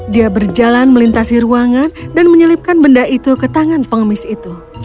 dia berjalan melintasi ruangan dan menyelipkan benda itu ke tangan pengemis itu